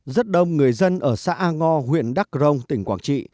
rất đông người dân ở xã a ngo huyện đắc rông tỉnh quảng trị